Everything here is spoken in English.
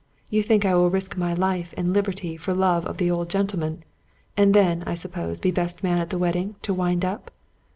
You think I will risk my life and liberty for love of the old gentleman ; and then, I suppose, be best man at the wedding, to wind up?